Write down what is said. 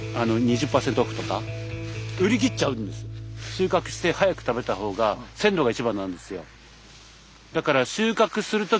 収穫して早く食べた方が鮮度が一番なんですよ。